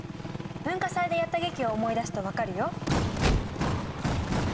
文化祭でやった劇を思い出すと分かるよ。